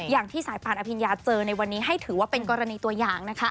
อย่างที่สายปานอภิญญาเจอในวันนี้ให้ถือว่าเป็นกรณีตัวอย่างนะคะ